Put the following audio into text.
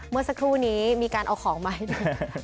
เมื่อสักครู่นี้มีการเอาของมาให้ด้วย